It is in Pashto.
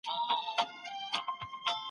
تاسو اوس په دې اداره کي خدمت کوئ.